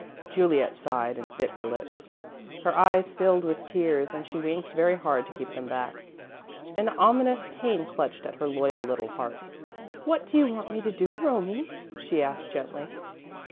Juliet sighed and bit her lips. Her eyes filled with tears and she winked very hard to keep them back. An ominous pain clutched at her loyal little heart. "What do you want me to do, Romie?" she asked, gently.